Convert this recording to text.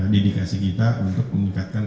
dedikasi kita untuk meningkatkan